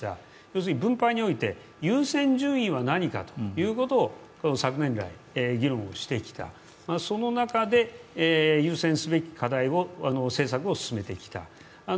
要するに分配において、優先順位は何かということを昨年来、議論をしてきた、その中で優先すべき課題・政策を進めてきた。